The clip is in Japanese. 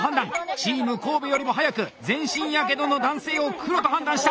チーム神戸よりも早く全身火傷の男性を黒と判断した！